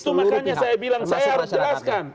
itu makanya saya bilang saya harus jelaskan